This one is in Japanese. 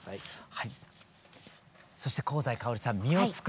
はい。